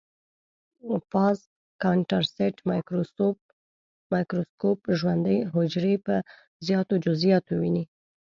فاز کانټرسټ مایکروسکوپ ژوندۍ حجرې په زیاتو جزئیاتو ويني.